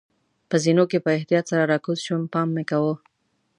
په زینو کې په احتیاط سره راکوز شوم، پام مې کاوه.